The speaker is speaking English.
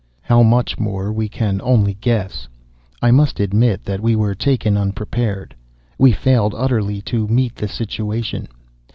"How much more, we can only guess. I must admit that we were taken unprepared. We failed utterly to meet the situation.